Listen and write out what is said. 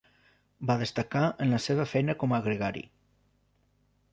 Va destacar en la seva feina com a gregari.